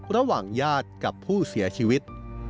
ระหว่างญาติกับผู้เสียชีวิต